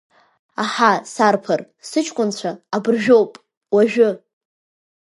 Аҳа, сарԥар, сыҷкәынцәа, абыржәоуп, уажәы…